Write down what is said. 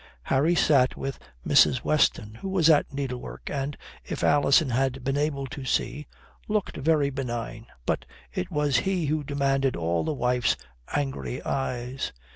Harry sat with Mrs. Weston, who was at needlework and, if Alison had been able to see, looked very benign. But it was he who demanded all the wife's angry eyes.